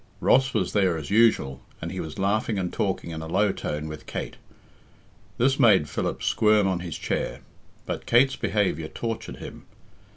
Ross was there as usual, and he was laughing and talking in a low tone with Kate. This made Philip squirm on his chair, but Kate's behaviour tortured him.